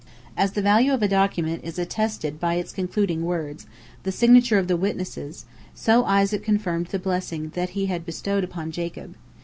" As the value of a document is attested by its concluding words, the signature of the witnesses, so Isaac confirmed the blessing he had bestowed upon Jacob.